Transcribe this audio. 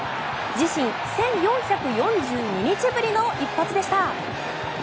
自身１４４２日ぶりの一発でした。